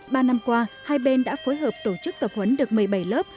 ba năm qua hai bên đã phối hợp tổ chức tập huấn được một mươi bảy lớp